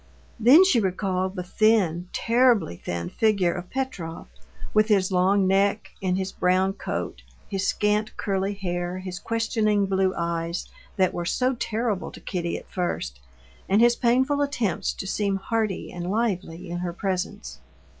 Then she recalled the thin, terribly thin figure of Petrov, with his long neck, in his brown coat, his scant, curly hair, his questioning blue eyes that were so terrible to Kitty at first, and his painful attempts to seem hearty and lively in her presence.